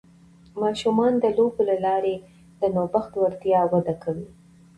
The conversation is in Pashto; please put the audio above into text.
ماشومان د لوبو له لارې د نوښت وړتیا وده کوي.